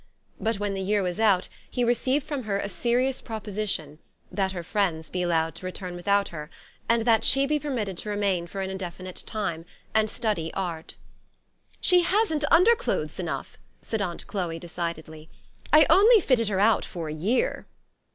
But, when the year was out, he received from her a serious proposition, that her friends be allowed to return without her, and that she be permitted to remain for an indefinite time, and study art. " She hasn't underclothes enough," said atmt Chloe decidedly. "I only fitted her out for a year."